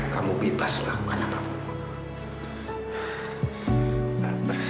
kamu bebas lakukan apa pun